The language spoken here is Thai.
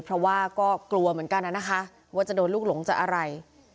เพราะว่าก็กลัวเหมือนกันนะคะว่าจะโดนลูกหลงจากอะไร